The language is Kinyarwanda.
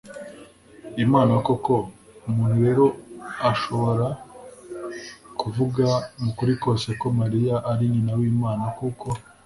imana koko, umuntu rero ashobora kuvuga mu kuri kose ko mariya ari nyina w'imana, kuko